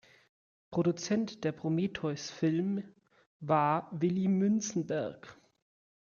Produzent der Prometheus Film war Willi Münzenberg.